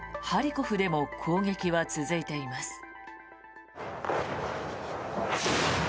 ハリコフでも攻撃は続いています。